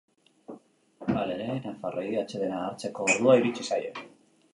Halere, nafarrei atsedena hartzeko ordua irisi zaie.